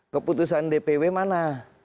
keputusan dpw mana